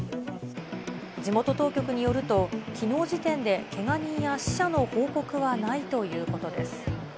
地元当局によると、きのう時点でけが人や死者の報告はないということです。